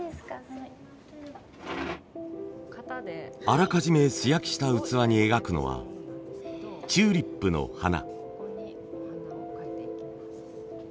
あらかじめ素焼きした器に描くのはチューリップの花。